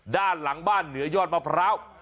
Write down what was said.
ด้านหลังบ้านเหนือยอดมะพร้าว